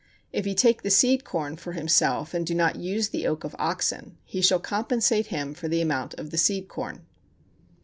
If he take the seed corn for himself, and do not use the yoke of oxen, he shall compensate him for the amount of the seed corn.